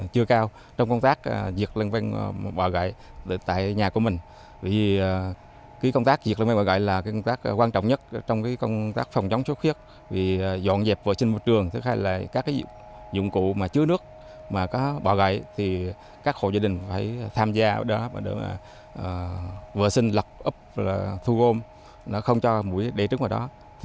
các hộ gia đình phải tham gia vào đó để vệ sinh lọc ấp thu gôm không cho mũi đệ trứng vào đó